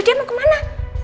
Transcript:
dia mau kemana